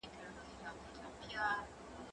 زه پرون سړو ته خواړه ورکړې